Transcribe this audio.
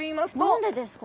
何でですか？